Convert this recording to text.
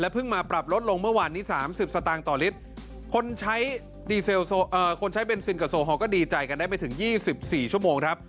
เพิ่งมาปรับลดลงเมื่อวานนี้๓๐สตางค์ต่อลิตรคนใช้คนใช้เบนซินกับโซฮอลก็ดีใจกันได้ไปถึง๒๔ชั่วโมงครับ